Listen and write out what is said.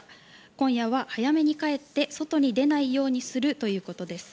今夜は早めに帰って外に出ないようにするということです。